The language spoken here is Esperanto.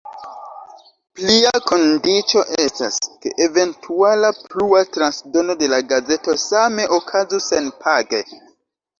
Plia kondiĉo estas, ke eventuala plua transdono de la gazeto same okazu senpage.